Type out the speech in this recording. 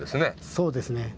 そうですね。